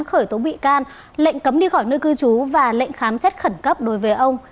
khởi tố bị can lệnh cấm đi khỏi nơi cư trú và lệnh khám xét khẩn cấp đối với ông